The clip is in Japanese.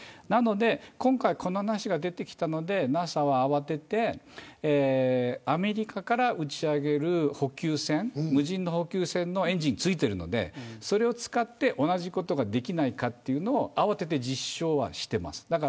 今回、この話が出てきたのでＮＡＳＡは慌ててアメリカから打ち上げる補給船無人の補給船のエンジンついているのでそれを使って同じことができないかを慌てて実証しています。